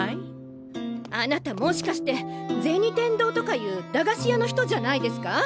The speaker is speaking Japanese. あなたもしかして銭天堂とかいう駄菓子屋の人じゃないですか？